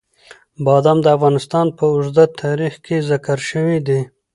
بادام د افغانستان په اوږده تاریخ کې ذکر شوي دي.